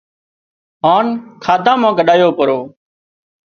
هانَ کاڌا مان ڳڏايو پرو